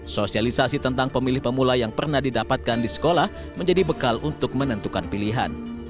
sosialisasi tentang pemilih pemula yang pernah didapatkan di sekolah menjadi bekal untuk menentukan pilihan